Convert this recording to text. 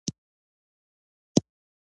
دا کار د ډېرې ګټې فرصتونه ایجاد کړل.